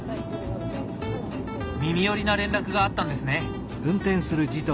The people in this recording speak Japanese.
耳寄りな連絡があったんですね？